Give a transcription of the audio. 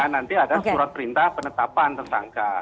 nanti ada surat perintah penetapan tersangka